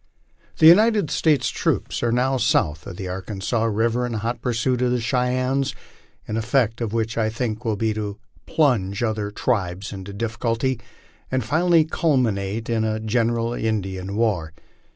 The United States troops are now south of the Arkansas river in hot pursuit of the Cheyennes, the effect of which I think will be to plunge other tribes into difficulty and finally culminate in a general Indian war."